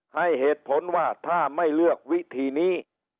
ให้เหตุผลว่าถ้าไม่เลือกวิธีนี้